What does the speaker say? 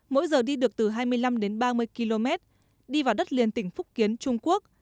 mỗi giờ đi được từ hai mươi năm đến ba mươi km đi vào đất liền tỉnh phúc kiến trung quốc